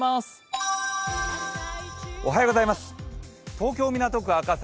東京・港区赤坂